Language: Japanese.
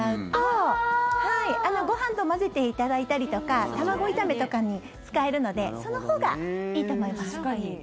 ご飯と混ぜていただいたりとか卵炒めとかに使えるのでそのほうがいいと思います。